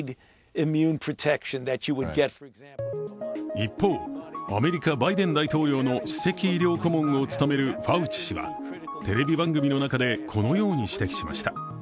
一方、アメリカ・バイデン大統領の首席医療顧問を務めるファウチ氏はテレビ番組の中でこのように指摘しました。